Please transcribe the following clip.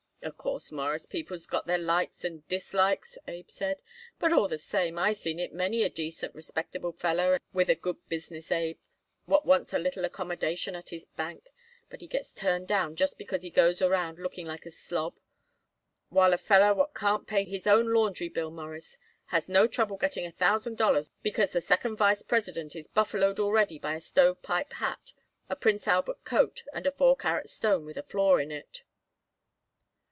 "Of course, Mawruss, people's got their likes and dislikes," Abe said; "but all the same I seen it many a decent, respectable feller with a good business, Abe, what wants a little accommodation at his bank. But he gets turned down just because he goes around looking like a slob; while a feller what can't pay his own laundry bill, Mawruss, has no trouble getting a thousand dollars because the second vice president is buffaloed already by a stovepipe hat, a Prince Albert coat and a four carat stone with a flaw in it."